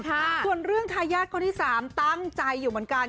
ส่วนเรื่องทายาทคนที่สามตั้งใจอยู่เหมือนกัน